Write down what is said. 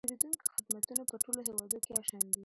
د پیرودونکو خدمتونه په ټول هیواد کې یو شان دي.